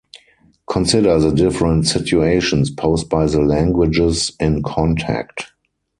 Consider the different situations posed by the languages in contact.